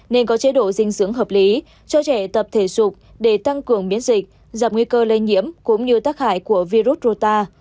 nên có chế độ dinh dưỡng hợp lý cho trẻ tập thể sụp để tăng cường biến dịch giảm nguy cơ lây nhiễm cũng như tác hại của virus rota